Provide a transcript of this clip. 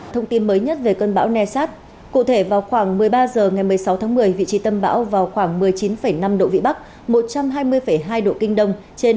thông tin mới nhất về cơn bão nesat cụ thể vào khoảng một mươi ba giờ ngày một mươi sáu tháng một mươi